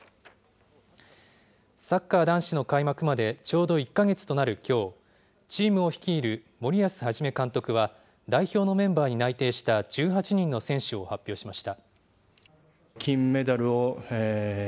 サッカー男子の開幕まで、ちょうど１か月となるきょう、チームを率いる森保一監督は、代表のメンバーに内定した１８人の選手を発表しました。